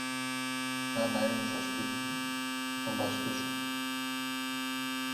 σαν ήμουν στο σπίτι του και τον βαστούσα!